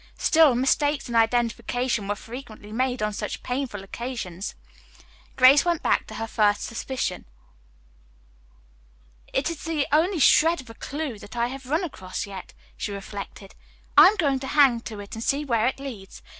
Still, mistakes in identification were frequently made on such painful occasions. Grace went back to her first supposition. "It is the only shred of a clew that I have run across yet," she reflected. "I am going to hang to it and see where it leads.